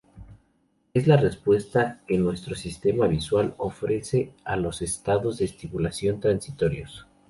Es la respuesta que nuestro sistema visual ofrece a los estados de estimulación transitorios.